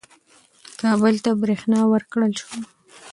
کابل ته برېښنا ورکړل شوه.